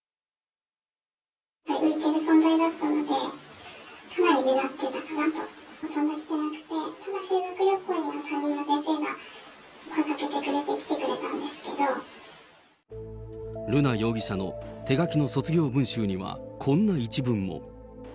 浮いてる存在だったので、かなり目立っていたかなと、ほとんど来てなくて、修学旅行には担任の先生が声をかけて、瑠奈容疑者の手書きの卒業文集には、こんな一文も。